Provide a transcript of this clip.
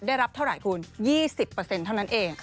ได้รับเท่าไหร่คุณ๒๐เท่านั้นเอง